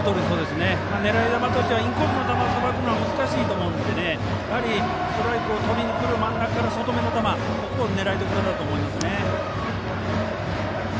狙い球としてはインコースの球をさばくのは難しいと思うのでストライクをとりにくる真ん中から、外めの球が狙いどころだと思います。